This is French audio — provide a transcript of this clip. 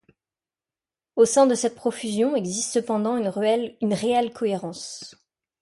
Au sein de cette profusion existe cependant une réelle cohérence.